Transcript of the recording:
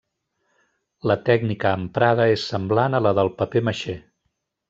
La tècnica emprada és semblant a la del paper maixé.